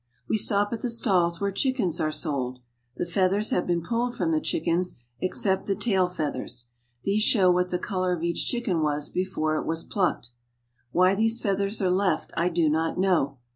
We stop at the stalls where chickens are sx:>ld. The feathers have been pulled from the chickens, except the tail feathers. These show what the color of each chicken was before it was plucked. Why these feathers are left I do not know.